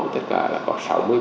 tất cả là có sáu mươi ba